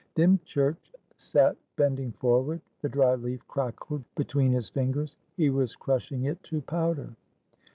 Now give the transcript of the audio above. Dymchurch sat bending forward. The dry leaf crackled between his fingers; he was crushing it to powder.